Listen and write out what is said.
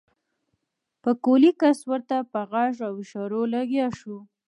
پکولي کس ورته په غږ او اشارو لګيا شو.